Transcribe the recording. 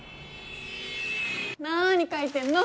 なに書いてんの？